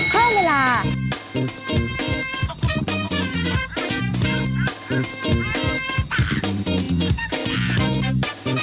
เพิ่มเวลา